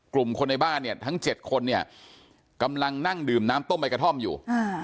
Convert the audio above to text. กลุ่มคนในบ้านเนี่ยทั้ง๗คนเนี่ยกำลังนั่งดื่มน้ำต้มใบกระท่อมอยู่